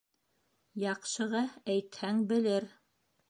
Яҡшыға әйтһәң, белер